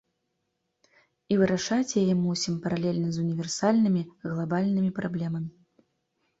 І вырашаць яе мусім паралельна з універсальнымі, глабальнымі праблемамі.